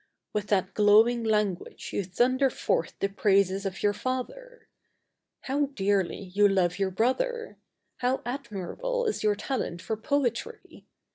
With what glowing language you thunder forth the praises of your Father! How dearly you love your Brother! How admirable is your talent for poetry!